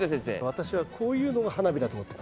私はこういうのが花火だと思って。